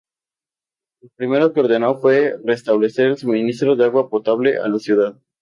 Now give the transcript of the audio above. Lo primero que ordenó fue restablecer el suministro de agua potable a la ciudad.